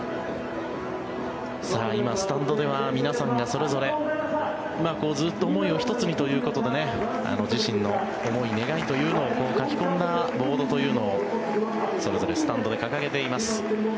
今、スタンドでは皆さんがそれぞれ「ずっと、想いをひとつに」ということで自身の思い、願いというのを書き込んだボードをそれぞれスタンドで掲げています。